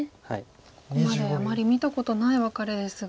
ここまであまり見たことないワカレですが。